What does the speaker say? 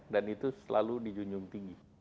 dan itu selalu dijunjung tinggi